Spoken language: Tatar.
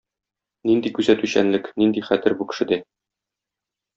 Нинди күзәтүчәнлек, нинди хәтер бу кешедә.